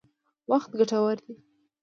وخت ګټور دی.